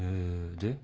で？